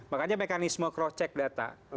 makanya mekanisme cross check data